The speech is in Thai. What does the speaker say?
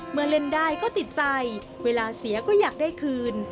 เล่นได้ก็ติดใจเวลาเสียก็อยากได้คืน